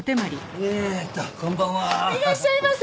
いらっしゃいませ。